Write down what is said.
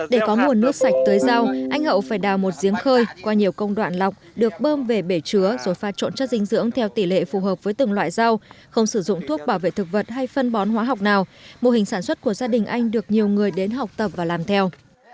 để có nguồn nước sạch tới rau anh hậu phải đào một giếng khơi qua nhiều công đoạn lọc được bơm về bể chứa rồi pha trộn chất dinh dưỡng theo tỷ lệ phù hợp với từng loại rau không sử dụng thuốc bảo vệ thực vật hay phân bón hóa học nào mô hình sản xuất của gia đình anh được nhiều người đến học tập và làm theo